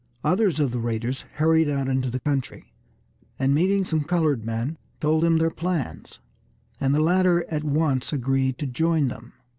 Others of the raiders hurried out into the country, and meeting some colored men, told them their plans, and the latter at once agreed to join them.